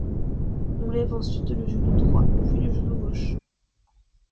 On lève ensuite le genou droit, puis le genou gauche.